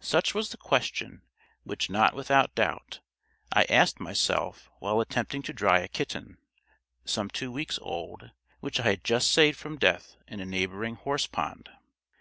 Such was the question, which not without doubt, I asked myself while attempting to dry a kitten, some two weeks old, which I had just saved from death in a neighbouring horsepond.